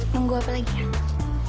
tunggu apa lagi ya